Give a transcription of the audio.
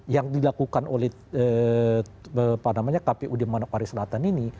yang dilakukan oleh kpu di manokwari selatan ini